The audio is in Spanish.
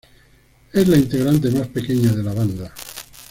Es la integrante más pequeña de la banda.